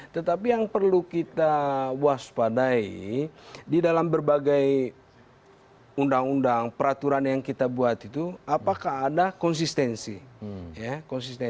tetapi yang perlu kita waspadai di dalam berbagai undang undang peraturan yang kita buat itu apakah ada konsistensi